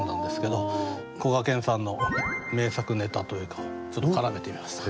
どこがけんさんの名作ネタというかちょっと絡めてみました。